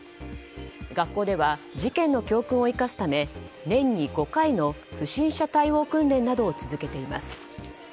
学校では事件の教訓を生かすため年に５回の不審者対応訓練などを続けています。